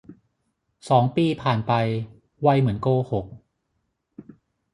สองปีผ่านไป ไวเหมือนโกหก